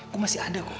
gue masih ada kok